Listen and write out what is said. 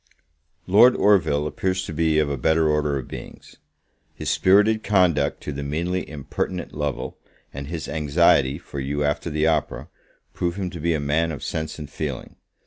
Lord Orville appears to be of a better order of beings. His spirited conduct to the meanly impertinent Lovel, and his anxiety for you after the opera, prove him to be a man of sense and feeling.